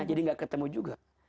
jadi gak ketemu juga